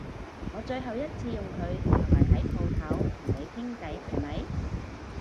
我最後一次用佢就係喺舖頭同你傾偈係咪？